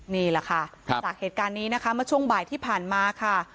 นี่แหละค่ะจากเหตุการณ์นี้นะคะเมื่อช่วงบ่ายที่ผ่านมาค่ะ